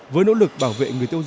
với nỗ lực bảo vệ